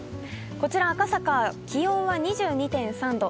こちら赤坂、気温は２２．３度。